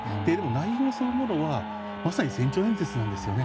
内容そのものはまさに選挙演説なんですよね。